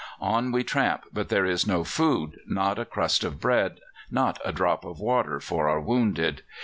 On we tramp, but there is no food, not a crust of bread, not a drop of water for our wounded.